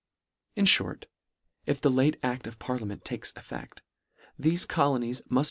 In fhort, if the late act of parliament takes effect, thefe colonies rnufr.